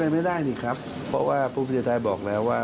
ไม่ได้นี่ครับเพราะว่าภูมิใจไทยบอกแล้วว่า